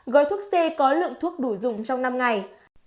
gói thuốc c có lượng thuốc đủ dùng trong năm ngày